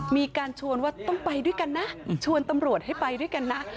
มีการชวนว่าต้องไปด้วยกันนะชวนตำรวจให้ไปด้วยกันนะ